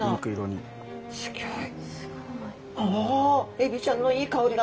エビちゃんのいい香りが。